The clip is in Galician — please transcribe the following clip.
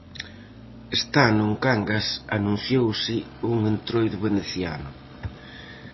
Este ano en Cangas anunciouse un Entroido veneciano.